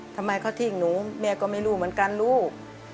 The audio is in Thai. ทำไมเขาทิ้งหนูแม่ก็ไม่รู้เหมือนกันลูก